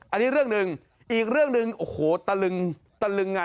อันนี้เรื่องนึงอีกเรื่องนึงโอ้โหตะลึง